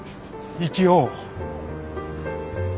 生きよう。